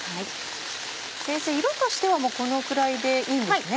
先生色としてはこのくらいでいいんですね？